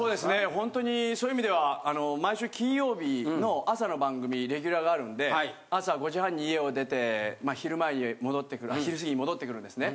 ほんとにそういう意味ではあの毎週金曜日の朝の番組レギュラーがあるんで朝５時半に家を出てまあ昼前に戻って来る昼すぎに戻って来るんですね。